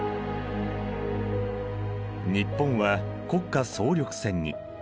日本は国家総力戦に。